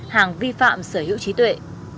hàng vi phạm sở hữu trí tuệ